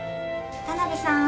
・田辺さん